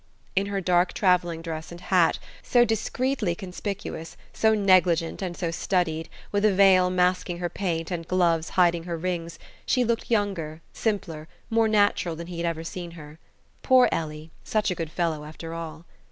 In her dark travelling dress and hat, so discreetly conspicuous, so negligent and so studied, with a veil masking her paint, and gloves hiding her rings, she looked younger, simpler, more natural than he had ever seen her. Poor Ellie such a good fellow, after all!